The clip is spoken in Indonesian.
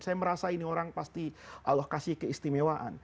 saya merasa ini orang pasti allah kasih keistimewaan